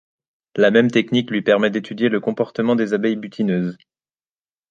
La même technique lui permet d’étudier le comportement des abeilles butineuses.